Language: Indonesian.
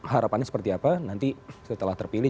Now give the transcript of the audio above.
harapannya seperti apa nanti setelah terpilih